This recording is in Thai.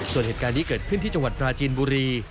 ส่วนเหตุการณ์นี้เกิดขึ้นที่จังหวัดปราจีนบุรี